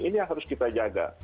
ini yang harus kita jaga